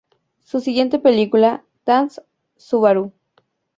Su siguiente película "Dance, Subaru!